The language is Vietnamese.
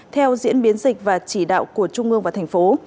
theo diễn biến dịch và chỉ đạo của trung ương và thành phố